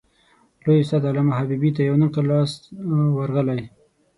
لوی استاد علامه حبیبي ته یو نقل لاس ورغلی.